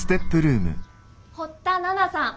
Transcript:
堀田奈々さん